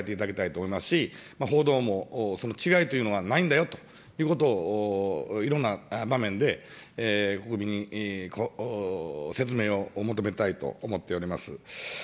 特に西村大臣、早く打っていただいて、国民に安心を与えていただきたいと思いますし、報道も、違いというのはないんだよということを、いろんな場面で国民に説明を求めたいと思っております。